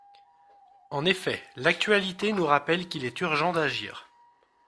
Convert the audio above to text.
En effet, l’actualité nous rappelle qu’il est urgent d’agir.